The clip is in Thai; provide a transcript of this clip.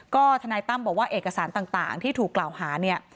ก็ทนายตั้มบอกว่าเอกสารต่างที่ถูกกล่าวหาเนี่ย